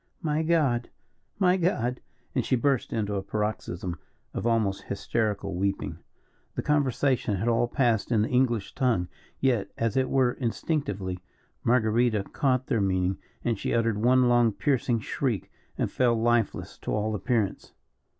"My God! my God!" and she burst into a paroxysm of almost hysterical weeping. The conversation had all passed in the English tongue, yet, as it were, instinctively, Marguerita caught their meaning, and she uttered one long, piercing shriek, and fell lifeless to all appearance.